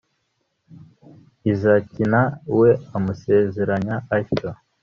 izaki na we amusezeranya atyo